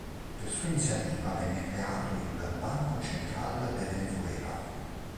Per sua iniziativa venne creato il "Banco Central de Venezuela".